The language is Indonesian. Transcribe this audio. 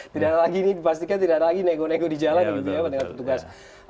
tidak ada lagi ini pastinya tidak ada lagi nego nego di jalan gitu ya pak dengan petugas